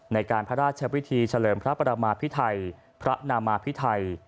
ในการพระราชวิธีเฉลิมพระประมาพิไทยพระนามาพิไทย